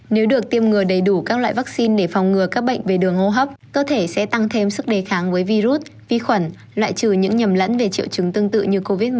nếu được tiêm ngừa đầy đủ các loại vaccine để phòng ngừa các bệnh về đường hô hấp cơ thể sẽ tăng thêm sức đề kháng với virus vi khuẩn loại trừ những nhầm lẫn về triệu chứng tương tự như covid một mươi chín